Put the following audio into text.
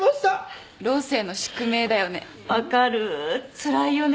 つらいよね